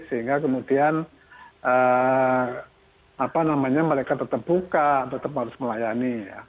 sehingga kemudian mereka tetap buka tetap harus melayani